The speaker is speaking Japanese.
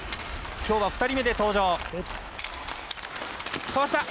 きょうは２人目で登場。